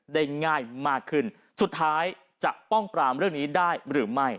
ได้ง่ายมากขึ้นสุดท้ายจะป้องปรามเรื่องนี้ได้หรือไม่